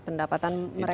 pendapatan mereka meningkat